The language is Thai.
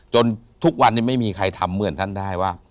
ทุกวันนี้ไม่มีใครทำเหมือนท่านได้ว่า